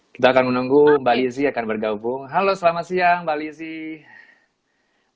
kita akan menunggu mbak lizzie akan bergabung halo selamat siang mbak lizzie